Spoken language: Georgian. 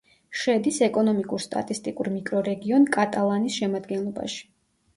შედის ეკონომიკურ-სტატისტიკურ მიკრორეგიონ კატალანის შემადგენლობაში.